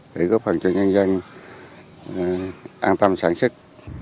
để góp phần cho nhân dân an tâm sản xuất